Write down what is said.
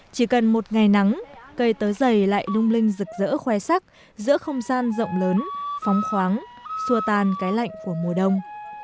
chỉ cần một ngày nắng cây tớ dày lại lung linh rực rỡ khoe sắc giữa không gian rộng lớn phóng khoáng xua tan cái lạnh của mùa đông